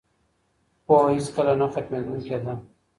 پوهه هیڅکله نه ختميدونکي ده.